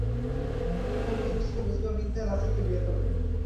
তিনি তার প্রথম স্ত্রী মুসবাহ বিনতে নাসেরকে বিয়ে করেন।